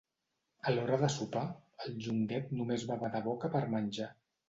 A l'hora de sopar, el Llonguet només va badar boca per menjar.